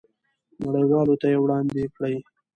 نړیوالو ته یې وړاندې کړئ.